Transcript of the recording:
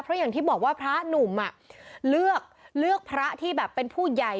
เพราะอย่างที่บอกว่าพระหนุ่มเลือกเลือกพระที่แบบเป็นผู้ใหญ่